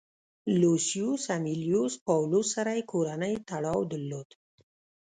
لوسیوس امیلیوس پاولوس سره یې کورنی تړاو درلود